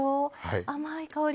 甘い香り。